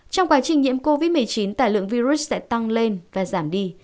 trong quá trình nhiễm covid một mươi chín tài lượng virus sẽ tăng lên và giảm đi